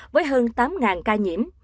với hơn tám ca nhiễm